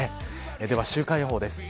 では、週間予報です。